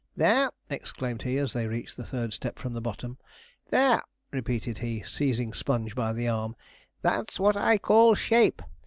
'There!' exclaimed he, as they reached the third step from the bottom. 'There!' repeated he, seizing Sponge by the arm, 'that's what I call shape.